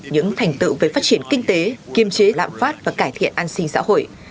những thành tựu về phát triển kinh tế kiêm chế lạm phát và cải thiện an sinh xã hội